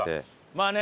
まあね